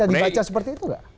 bisa dibaca seperti itu nggak